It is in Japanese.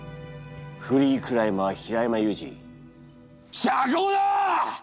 フリークライマー平山ユージ釈放だ！